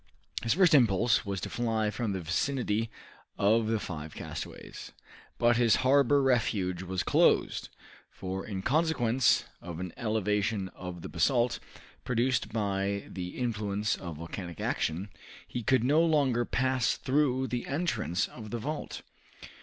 His first impulse was to fly from the vicinity of the five castaways; but his harbor refuge was closed, for in consequence of an elevation of the basalt, produced by the influence of volcanic action, he could no longer pass through the entrance of the vault.